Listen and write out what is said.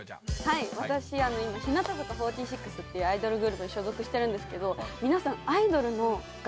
はい私いま日向坂４６っていうアイドルグループに所属してるんですけど皆さん。